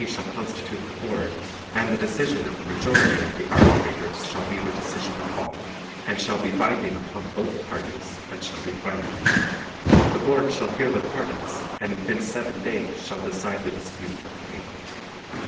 These three shall constitute the Board and the decision of a majority of the arbitrators shall be the decision of all and shall be binding upon both parties and shall be final. The Board shall hear the parties and within seven (7) days shall decide the dispute or claim.